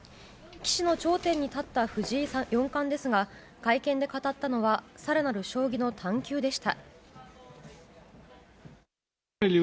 棋士の頂点に立った藤井４冠ですが会見で語ったのは更なる将棋の追求でした。